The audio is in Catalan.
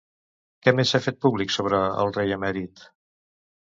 Què més s'ha fet públic sobre el rei emèrit?